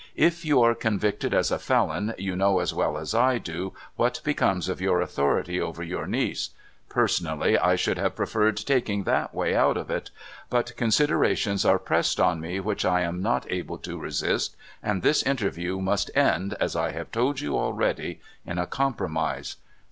If you are convicted as a felon, you know as well as I do what becomes of your authority over your niece. Personally, I should have preferred taking that way out of it. But considerations are pressed on me which I am not able to resist, and this interview must end, as I have told you already, in a compromise.